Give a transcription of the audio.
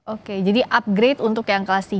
oke jadi upgrade untuk yang kelas tiga